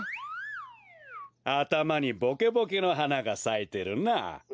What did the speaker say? あたまにボケボケの花がさいてるな。